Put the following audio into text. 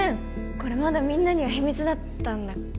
これまだみんなには秘密だったんだっけ？